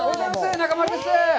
中丸です。